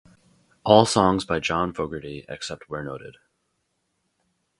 All songs by John Fogerty, except where noted.